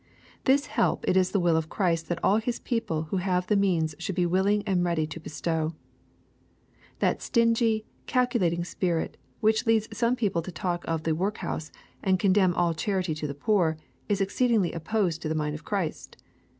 This help it is the will of Christ that all His people who have the means should be wil ling and ready to bestow. That stingy, calculating spirit, which leads some people to talk of " the workhouse," and condemn all charity to the poor, is exceedingly opposed to the mind of Christ.